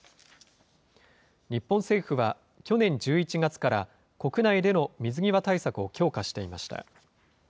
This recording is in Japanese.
日本政府は去年１１月から、国内での水際対策を強化していました。